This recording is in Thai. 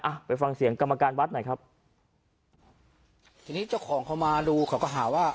อ่ะไปฟังเสียงกรรมการวัดหน่อยครับทีนี้เจ้าของเขามาดูเขาก็หาว่า